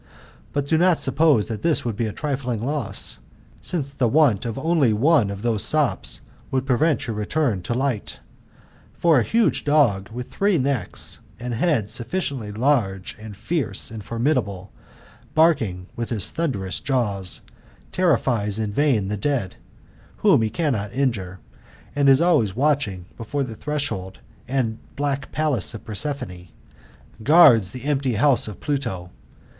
But do not suppose that this would, be a trifling loss ; since the want of only one of these sops, would prevent your return to light. For a huge dog, with three necks, ; OOLDBW ASS, OF APULITOS. — BOOK VI. 97 ftsd heads sufficiently large, fierce and formidable, barking ^th his thuqdering jaws, terrifies in vain the dead, whom he cannot injure; knd always watching before the threshold and black palace of Prosperine, guards the empty house of Pluto.